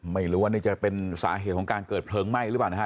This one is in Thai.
ไม่รู้ว่านี่จะเป็นสาเหตุของการเกิดเพลิงไหม้หรือเปล่านะฮะ